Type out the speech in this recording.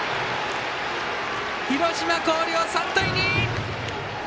広島・広陵、３対２！